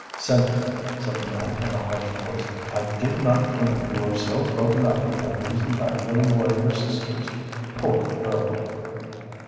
"Cynthia," said the man, in a harsh voice, "I did not dream you were so broken up over losing that little boy of your sister's, poor girl."